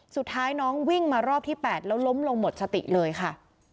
สุดท้ายน้องวิ่งมารอบที่๘แล้วล้มลงหมดสติเลยค่ะ